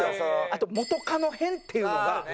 あと「元カノ編」っていうのが。